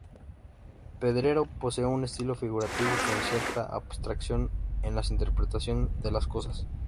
Pedrero posee un estilo figurativo con cierta abstracción en la interpretación de las cosas.